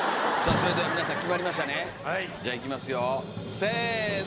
それではみなさん決まりましたねじゃあいきますよせーの！